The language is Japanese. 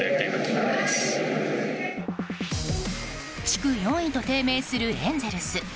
地区４位と低迷するエンゼルス。